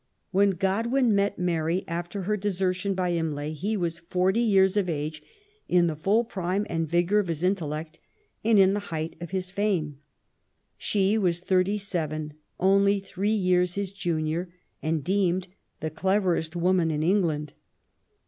When Godwin met Mary, after her desertion by Imlay, he was forty years of age, in the full prime and vigour of his intellect, and in the height of his fame. She was thirty seven, only three years hia junior, and deemed the cleverest woman in England.